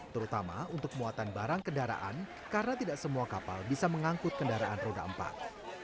terutama untuk muatan barang kendaraan karena tidak semua kapal bisa mengangkut kendaraan roda empat